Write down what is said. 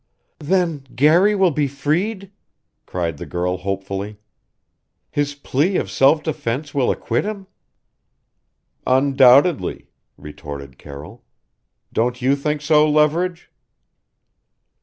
"Then Garry will be freed?" cried the girl hopefully: "His plea of self defense will acquit him?" "Undoubtedly," retorted Carroll. "Don't you think so, Leverage?"